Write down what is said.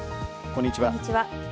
こんにちは。